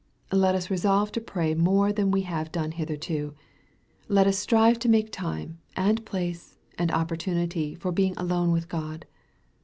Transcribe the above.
Let us resolve to pray more than we have done hitherto. Let us strive to make time, and place, and opportunity for being alone with God.